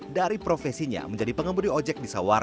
dari profesinya menjadi pengemudi ojek di sawar